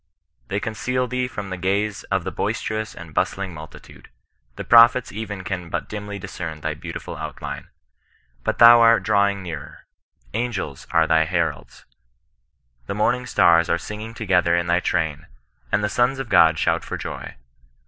They conceal thee from the gaze of the boisterous and bustling multitude. The prophets even can but dimly discern thy beautiful outline. But thou art drawing nearer. Angels are thy hendds. The morning stan are singing together in thy train, and the sons of GU)d shout for joy.